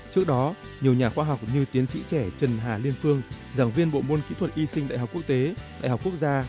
trước đó nhiều nhà khoa học như tiến sĩ trẻ trần hà liên phương giảng viên bộ môn kỹ thuật y sinh đại học quốc tế đại học quốc gia